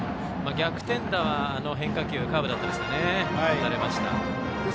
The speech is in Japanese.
逆転打は、変化球のカーブだったですかね打たれました。